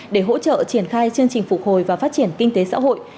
để hỗ trợ triển khai chương trình phục hồi và phát triển kinh tế xã hội